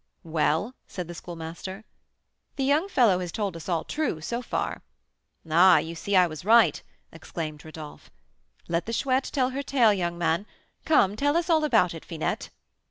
"Well?" said the Schoolmaster. "The young fellow has told us all true, so far." "Ah! you see I was right," exclaimed Rodolph. "Let the Chouette tell her tale, young man. Come, tell us all about it, Finette."